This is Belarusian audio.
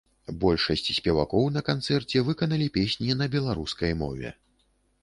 Большасць спевакоў на канцэрце выканалі песні на беларускай мове.